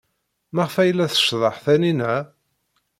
Maɣef ay la tceḍḍeḥ Taninna?